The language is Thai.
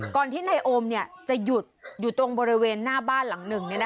ที่นายโอมจะหยุดอยู่ตรงบริเวณหน้าบ้านหลังหนึ่ง